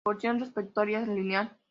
La porción respiratoria es lineal.